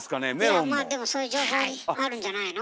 いやまあでもそういう情報あるんじゃないの？